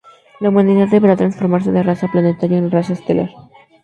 La humanidad deberá transformarse de raza planetaria en raza estelar.